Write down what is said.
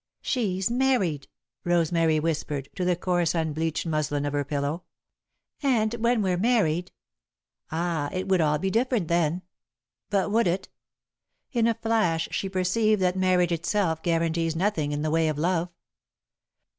"She's married," Rosemary whispered, to the coarse unbleached muslin of her pillow. "And when we're married " ah, it would all be different then. But would it? In a flash she perceived that marriage itself guarantees nothing in the way of love.